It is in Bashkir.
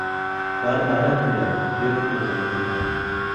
Бар барын һөйләр, юҡ юғын һөйләр.